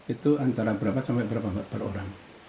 itu antara berapa sampai berapa per orang